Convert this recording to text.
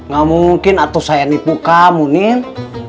gak mungkin atau saya nipu kamu niel